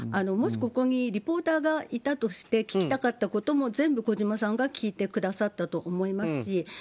もしここにリポーターがいたとして聞きたかったことも全部児嶋さんが聞いてくださったと思いますし。